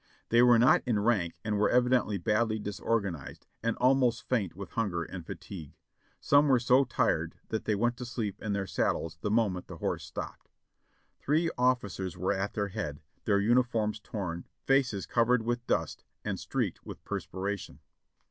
They were not in rank and were evidently badly disorganized and almost faint with hunger and fatigue ; some were so tired that they went to sleep in their saddles the moment the horse stopped. Three olftcers were at their head, their uniforms torn, faces covered with dust and streaked with perspiration.